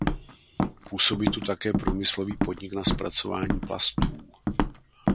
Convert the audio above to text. Působí tu také průmyslový podnik na zpracování plastů.